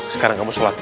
sekarang kamu sholat